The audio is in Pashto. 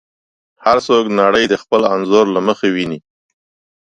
هر څوک نړۍ د خپل انځور له مخې ویني.